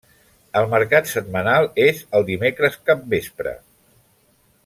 El mercat setmanal és el dimecres capvespre.